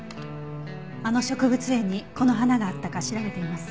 あの植物園にこの花があったか調べてみます。